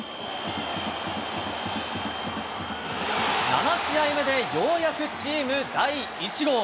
７試合目でようやくチーム第１号。